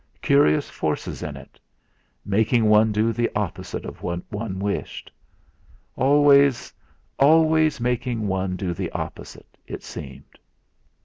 Curious forces in it making one do the opposite of what one wished; always always making one do the opposite, it seemed!